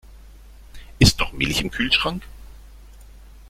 Ist noch Milch im Kühlschrank?